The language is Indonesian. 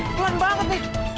pelan banget nih